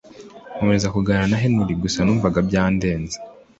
nkomeza kuganira na Henry gusa numvaga byandenze